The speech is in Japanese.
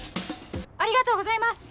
ありがとうございます！